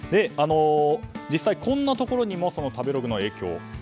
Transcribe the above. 実際、こんなところにも食べログの影響。